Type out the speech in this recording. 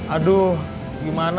aduh gimana ya